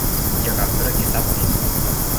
เกี่ยวกับธุรกิจทรัพย์สิน